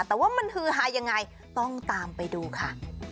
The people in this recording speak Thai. แต่ว่ามันฮือฮายังไงต้องตามไปดูค่ะ